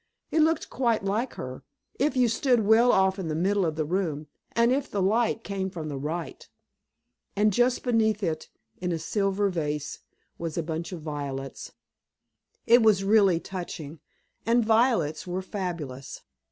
It looked quite like her, if you stood well off in the middle of the room and if the light came from the right. And just beneath it, in a silver vase, was a bunch of violets. It was really touching, and violets were fabulous.